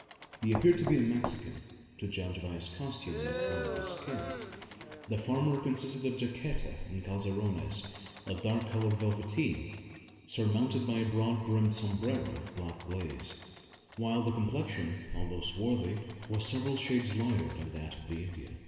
He appeared to be a Mexican, to judge by his costume and the colour of his skin. The former consisted of jaqueta and calzoneros of dark coloured velveteen, surmounted by a broad brimmed sombrero of black glaze; while the complexion, although swarthy, was several shades lighter than that of the Indian.